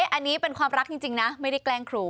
อันนี้เป็นความรักจริงนะไม่ได้แกล้งครู